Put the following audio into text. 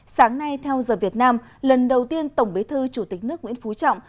sáng nay theo giờ việt nam lần đầu tiên tổng bế thư chủ tịch nước nguyễn phú trọng